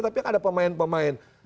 tapi ada pemain pemain